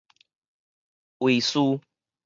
畫士